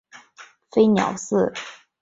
飞鸟寺有很多个名称。